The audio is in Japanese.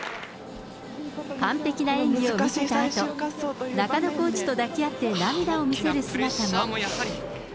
完璧な演技を見せたあと、中野コーチと抱き合って、涙を見せる姿も。